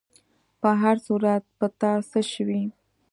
په هر صورت، په تا څه شوي؟